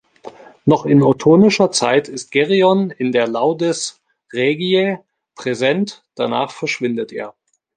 Noch in ottonischer Zeit ist Gereon in den "Laudes regiae" präsent, danach verschwindet er.